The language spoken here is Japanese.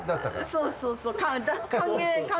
そうそうそう。